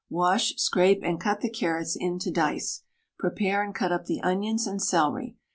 Wash, scrape, and cut the carrots into dice. Prepare and cut up the onions and celery.